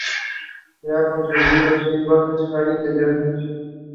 He won the race by over two minutes.